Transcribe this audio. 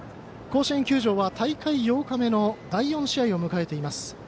甲子園球場は大会８日目の第４試合を迎えています。